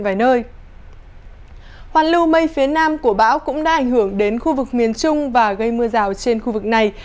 hoàn lưu mây phía nam của bão cũng đã ảnh hưởng đến khu vực miền trung và gây mưa rào trên khu vực này